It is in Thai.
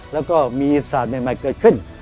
แล้วก็มีศาสตร์ใหม่เกิดขึ้น